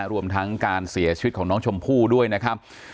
รวมทั้งการเสียชีวิตของน้องชมพู่ด้วยนะครับ